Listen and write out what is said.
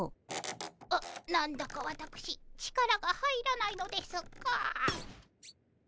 な何だかわたくし力が入らないのですが。